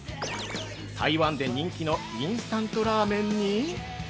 台湾で人気のインスタントラーメンに！